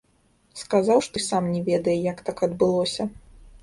Сказаў, што і сам не ведае, як так адбылося.